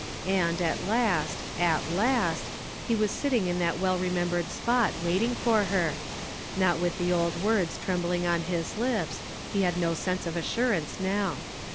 And at last, (It last, he was sitting in that well remem bered s])ot waiting for her! Not with the old words trembling on his lips ; he had no sense of assurance now.